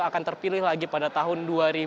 akan terpilih lagi pada tahun